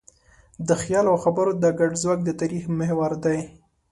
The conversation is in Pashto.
د خیال او خبرو دا ګډ ځواک د تاریخ محور دی.